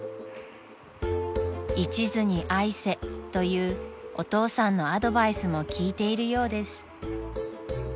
［「いちずに愛せ」というお父さんのアドバイスも効いているようです］